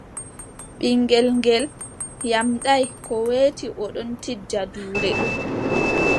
Ɓiŋngel ngeel nyamɗaay, ko weeti o ɗon tijja duule.